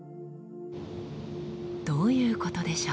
どういうことでしょう？